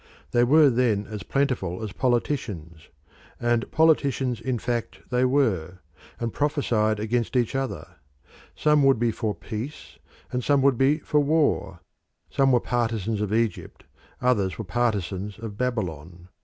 They were then as plentiful as politicians and politicians in fact they were, and prophesied against each other. Some would be for peace and some would be for war: some were partisans of Egypt, others were partisans of Babylon.